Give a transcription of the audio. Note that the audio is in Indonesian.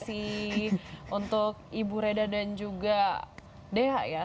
terima kasih untuk ibu reda dan juga dea ya